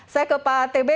saya ke pak atb